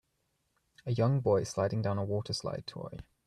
A young boy sliding down a water slide toy.